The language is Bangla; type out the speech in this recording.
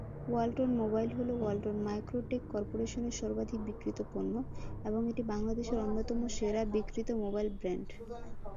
ওয়ালটন মোবাইল হলো ওয়ালটন মাইক্রো-টেক কর্পোরেশনের সর্বাধিক বিক্রিত পণ্য এবং এটি বাংলাদেশের অন্যতম সেরা বিক্রিত মোবাইল ব্র্যান্ড।